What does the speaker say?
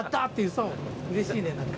うれしいね何か。